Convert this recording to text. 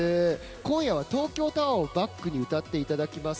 今夜は東京タワーをバックに歌っていただきます。